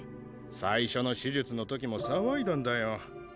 最初の手術の時も騒いだんだよ。